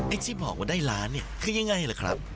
ที่บอกว่าได้ล้านเนี่ยคือยังไงล่ะครับ